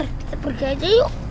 kita pergi aja yuk